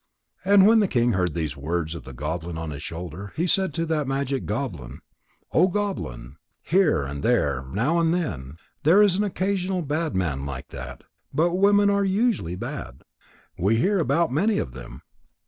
And when the king heard these words of the goblin on his shoulder, he said to that magic goblin: "O goblin! Here and there, now and then, there is an occasional bad man like that. But women are usually bad. We hear about many of them."